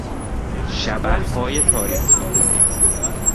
شبحهای تاریکی